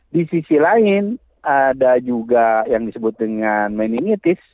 di sisi lain ada juga yang disebut dengan meningitis